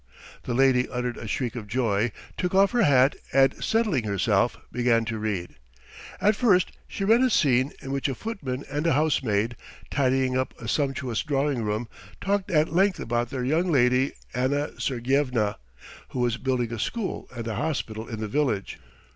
The lady uttered a shriek of joy, took off her hat and settling herself, began to read. At first she read a scene in which a footman and a house maid, tidying up a sumptuous drawing room, talked at length about their young lady, Anna Sergyevna, who was building a school and a hospital in the village.